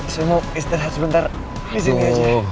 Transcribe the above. saya mau istirahat sebentar di sini aja